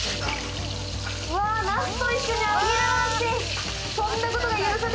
ナスと一緒に揚げるなんて！